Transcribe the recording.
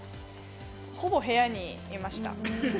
ほぼ部屋にいました。